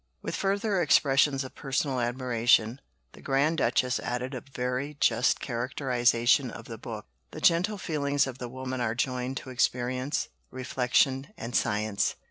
With further expressions of personal admiration, the Grand Duchess added a very just characterization of the book: "The gentle feelings of the woman are joined to experience, reflexion, and science."